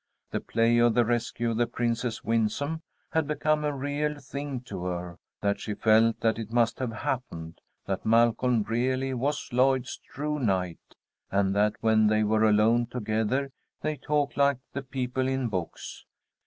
The play of the "Rescue of the Princess Winsome" had become a real thing to her, that she felt that it must have happened; that Malcolm really was Lloyd's true knight, and that when they were alone together they talked like the people in books.